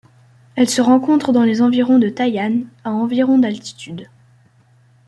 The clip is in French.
Elle se rencontre dans les environs de Tai'an, à environ d'altitude.